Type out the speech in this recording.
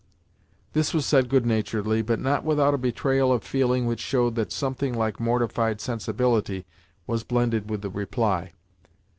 This was said good naturedly, but not without a betrayal of feeling which showed that something like mortified sensibility was blended with the reply.